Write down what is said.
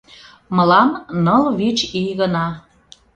Мылам ныл-вич ий гына...